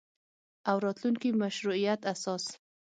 او راتلونکي مشروعیت اساس